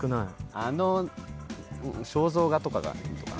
あの肖像画とかがヒントかな。